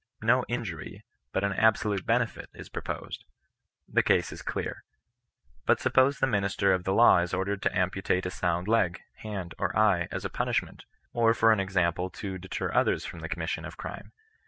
No injury, but an absolute benefit is proposed. This case is clear. But suppose the minister of the law is ordered to amputate a sound leg, hand, or eye, as a punishment, or for an example to deter others from the commission of crime.